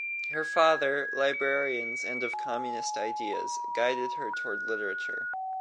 Her father, librarians and of communist ideas, guided her toward literature.